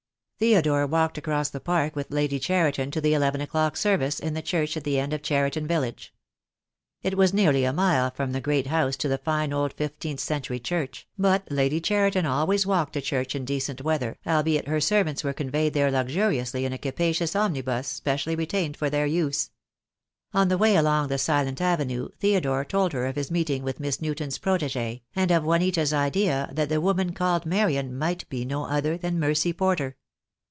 Theodore walked across the Park with Lady Cheriton THE DAY WILL COME. 303 to the eleven o'clock service in the church at the end of Cheriton village. It was nearly a mile from the great house to the fine old fifteenth century church, but Lady Cheriton always walked to church in decent weather, albeit her servants were conveyed there luxuriously in a capacious omnibus specially retained for their use. On the way along the silent avenue Theodore told her of his meeting with Miss Newton's protegee, and of Juanita's idea that the woman called Marian might be no other than Mercy Porter.